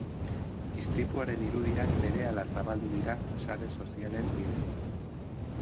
Istripuaren irudiak berehala zabaldu dira sare sozialen bidez.